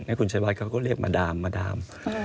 แต่คุณชัยวัทธ์เขาก็เรียกมาดาม